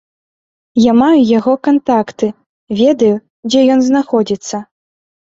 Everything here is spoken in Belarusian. Я маю яго кантакты, ведаю, дзе ён знаходзіцца.